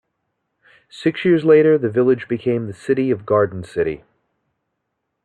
Six years later the village became the city of Garden City.